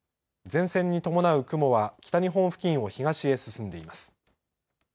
前線に伴う雲は北日本付近を東へ進んでいます。